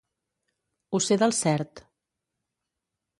Ho sé del cert.